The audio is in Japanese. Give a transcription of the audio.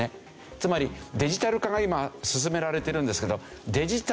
つまりデジタル化が今進められてるんですけど。